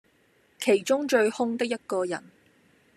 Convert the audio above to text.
其中最兇的一個人，